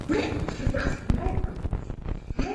چنګلونه د افغانستان طبعي ثروت دی.